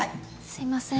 すいません。